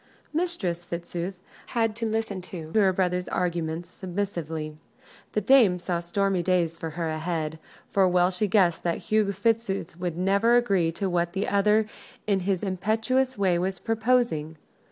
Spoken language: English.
Mistress Fitzooth had to listen to her brother's arguments submissively. The dame saw stormy days for her ahead, for well she guessed that Hugh Fitzooth would never agree to what the other in his impetuous way was proposing.